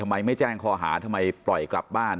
ไม่แจ้งคอหาทำไมปล่อยกลับบ้าน